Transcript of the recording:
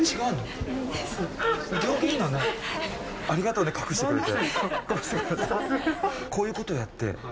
ありがとうね、隠してくれて。